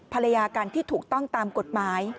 ภรรยากันที่ถูกต้องตามกฎหมาย